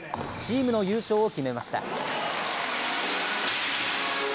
チームの優勝を決めました。